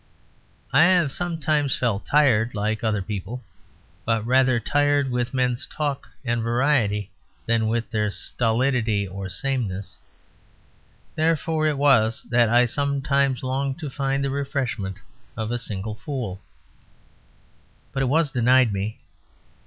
I have sometimes felt tired, like other people; but rather tired with men's talk and variety than with their stolidity or sameness; therefore it was that I sometimes longed to find the refreshment of a single fool. But it was denied me.